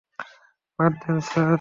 বাদ দেন স্যার।